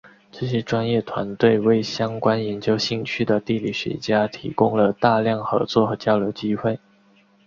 这些专业团体为相关研究兴趣的地理学家提供了大量合作和交流机会。